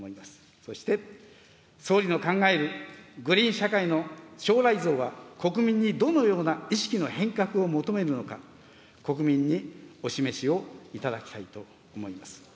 そして、総理の考えるグリーン社会の将来像は、国民にどのような意識の変革を求めるのか、国民にお示しをいただきたいと思います。